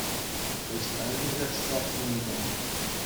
Ӑҫтан-ши ҫак спортсменсем?